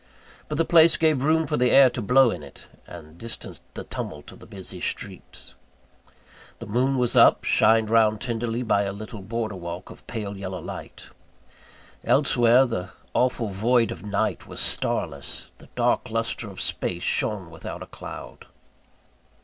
But the place gave room for the air to blow in it, and distanced the tumult of the busy streets. The moon was up, shined round tenderly by a little border work of pale yellow light. Elsewhere, the awful void of night was starless; the dark lustre of space shone without a cloud.